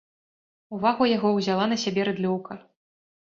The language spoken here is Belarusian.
Увагу яго ўзяла на сябе рыдлёўка.